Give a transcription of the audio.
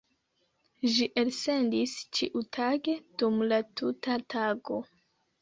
Ĝi elsendis ĉiutage, dum la tuta tago.